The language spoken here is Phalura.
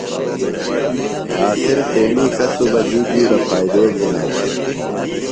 عاقل تیݨی کسُبہ دی بِیڈو فائدے گِھناُوۡ۔